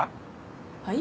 はい？